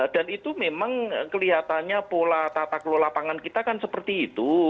dan itu memang kelihatannya pola tata kelola pangan kita kan seperti itu